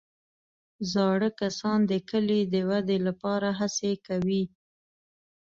زاړه کسان د کلي د ودې لپاره هڅې کوي